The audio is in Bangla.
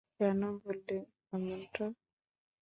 কেন বললি এমনটা?